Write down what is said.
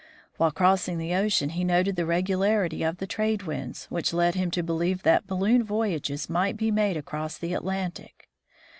While crossing the ocean he noted the regularity of the trade winds, which led him to believe that balloon voyages might be made across the Atlantic.